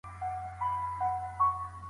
که ئې واده او مباشرت نه وو کړی.